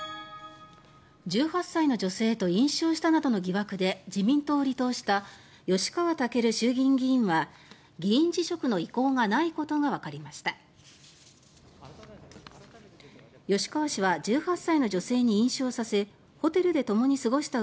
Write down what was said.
１８歳の女性と飲酒をしたなどの疑惑で自民党を離党した吉川赳衆議院議員は議員辞職の意向がないことがわかりました。